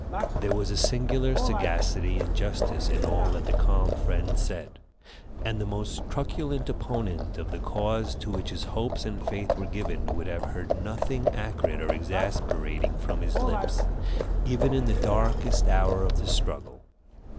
There was a singular sagacity and justice in all that the calm friend said, and the most truculent opponent of the cause to which his hopes and faith were given would have heard nothing acrid or exasperating from his lips, even in the darkest hour of the struggle.